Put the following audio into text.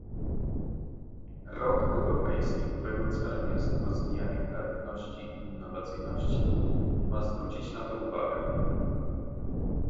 Rok Europejski, którego celem jest rozwijanie kreatywności i innowacyjności, ma zwrócić na to uwagę